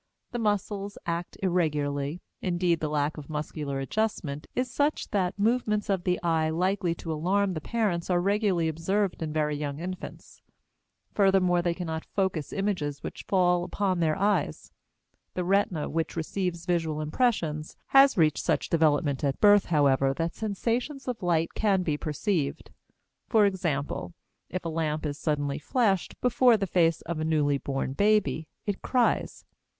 The muscles act irregularly; indeed, the lack of muscular adjustment is such that movements of the eye likely to alarm the parents are regularly observed in very young infants. Furthermore they cannot focus images which fall upon their eyes. The retina, which receives visual impressions, has reached such development at birth, however, that sensations of light can be perceived. For example, if a lamp is suddenly flashed before the face of a newly born baby it cries.